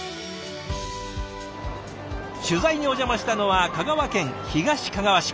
取材にお邪魔したのは香川県東かがわ市。